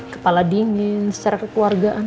kepala dingin secara kekeluargaan